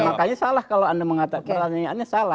makanya salah kalau anda mengatakan pertanyaannya salah